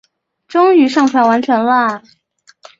终于上传完成了